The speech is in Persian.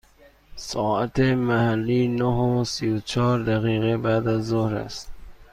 ساعت محلی نه و سی و چهار دقیقه بعد از ظهر است.